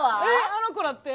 あの子らって？